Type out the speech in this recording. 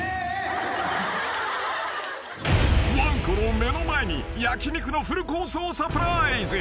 ［わんこの目の前に焼き肉のフルコースをサプライズ］